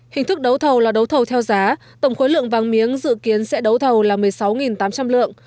hình thức đấu thầu là đấu thầu theo giá tổng khối lượng vàng miếng dự kiến sẽ đấu thầu là một mươi sáu tám trăm linh lượng